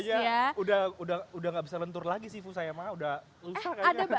kayanya udah gak bisa lentur lagi sih sifu sayang ma udah lusa kayaknya